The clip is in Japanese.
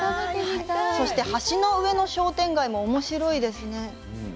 そして橋の上の商店街もおもしろいですね。